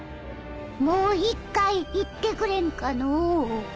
もう１回言ってくれんかのう？